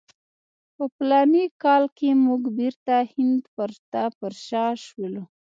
په فلاني کال کې موږ بیرته هند ته پر شا شولو.